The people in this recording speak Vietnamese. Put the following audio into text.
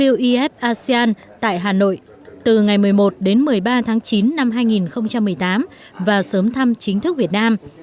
wif asean tại hà nội từ ngày một mươi một đến một mươi ba tháng chín năm hai nghìn một mươi tám và sớm thăm chính thức việt nam